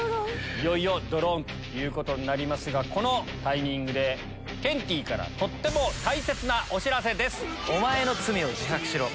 いよいよドローンということになりますがこのタイミングでケンティーからとっても大切なお知らせです。